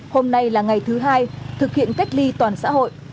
hôm nay là ngày thứ hai thực hiện cách ly toàn xã hội